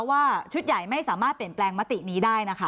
ว่าชุดใหญ่ไม่สามารถเปลี่ยนแปลงมตินี้ได้นะคะ